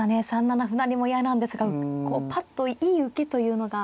３七歩成も嫌なんですがこうぱっといい受けというのが。